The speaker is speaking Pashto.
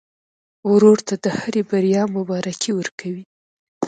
ورور ته د هرې بریا مبارکي ورکوې.